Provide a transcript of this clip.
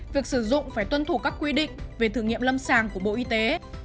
việc sử dụng phải tuân thủ các quy định về thử nghiệm lâm sàng của bộ y tế